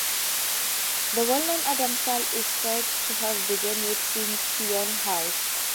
The well known "Adam style" is said to have begun with Syon House.